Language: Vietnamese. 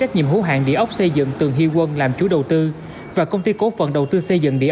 cổ phận địa ốc xây dựng tường hy quân làm chủ đầu tư và công ty cổ phận đầu tư xây dựng địa